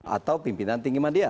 atau pimpinan tinggi media